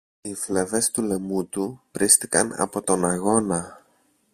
οι φλέβες του λαιμού του πρήστηκαν από τον αγώνα.